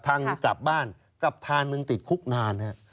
ทางกลับบ้านกลับทางนึงติดคุกนาน